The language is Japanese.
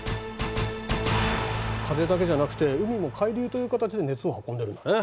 風だけじゃなくて海も海流という形で熱を運んでるんだね。